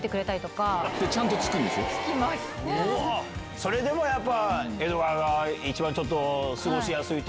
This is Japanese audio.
それでもやっぱ。